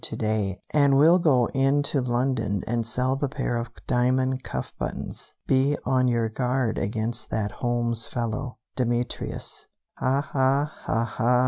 to day, and we'll go in to London and sell the pair of diamond cuff buttons. Be on your guard against that Holmes fellow. DEMETRIUS. "Ha, ha! Ha, ha!